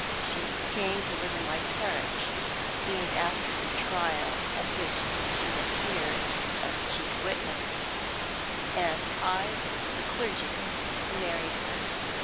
She came to live in my parish soon after the trial at which she appeared as chief witness, and I was the clergyman who married her.